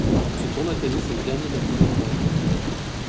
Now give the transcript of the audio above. Ce tournoi de tennis est le dernier de la tournée du Grand Chelem.